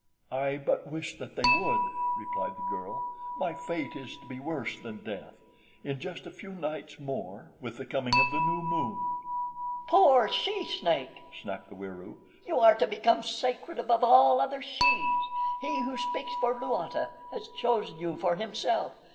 "I but wish that they would," replied the girl. "My fate is to be worse than death in just a few nights more, with the coming of the new moon." "Poor she snake!" snapped the Wieroo. "You are to become sacred above all other shes. He Who Speaks for Luata has chosen you for himself.